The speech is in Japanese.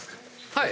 はい。